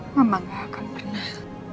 mama gak akan pernah